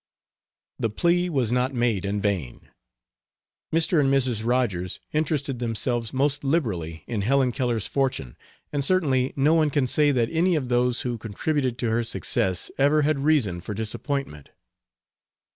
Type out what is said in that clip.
The plea was not made in vain. Mr. and Mrs. Rogers interested themselves most liberally in Helen Keller's fortune, and certainly no one can say that any of those who contributed to her success ever had reason for disappointment.